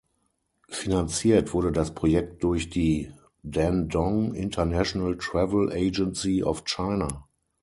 Finanziert wurde das Projekt durch die „Dandong International Travel Agency of China“.